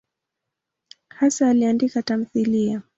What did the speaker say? Hasa aliandika tamthiliya.